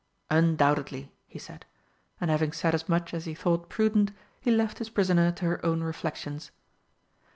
"Undoubtedly," he said, and, having said as much as he thought prudent, he left his prisoner to her own reflections.